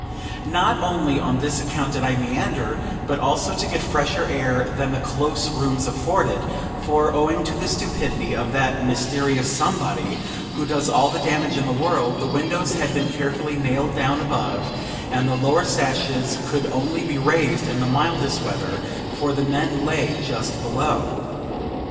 Not only on this account did I meander, but also to get fresher air than the close rooms afforded; for, owing to the stupidity of that mysterious "somebody" who does all the damage in the world, the windows had been carefully nailed down above, and the lower sashes could only be raised in the mildest weather, for the men lay just below.